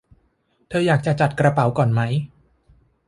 เธออยากจะจัดกระเป๋าก่อนไหม